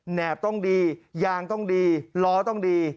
แบบต้องดียางต้องดีล้อต้องดี